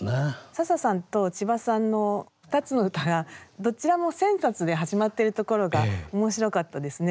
笹さんと千葉さんの２つの歌がどちらも「千冊」で始まってるところが面白かったですね。